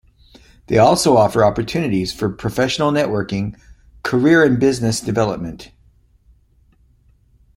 They also offer opportunities for professional networking, career and business development.